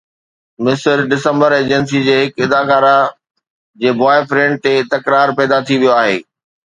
مصر December agency جي هڪ اداڪارا جي بوائے فرينڊ تي تڪرار پيدا ٿي ويو آهي